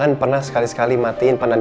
aku kasih dia minggu lagi